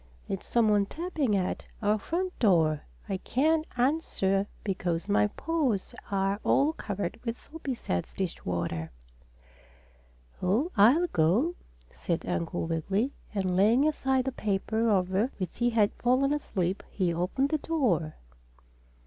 "It's some one tapping at our front door. I can't answer because my paws are all covered with soapy suds dishwater." "Oh, I'll go," said Uncle Wiggily, and laying aside the paper over which he had fallen asleep, he opened the door.